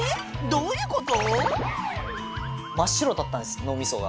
どういうこと？